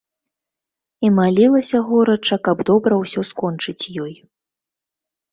І малілася горача, каб добра ўсё скончыць ёй.